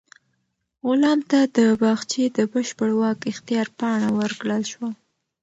غلام ته د باغچې د بشپړ واک اختیار پاڼه ورکړل شوه.